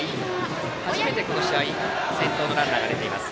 初めてこの試合先頭のランナーが出ています。